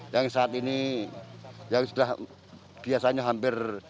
yang saat ini yang sudah biasanya hampir